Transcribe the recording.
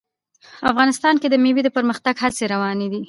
افغانستان کې د مېوې د پرمختګ هڅې روانې دي.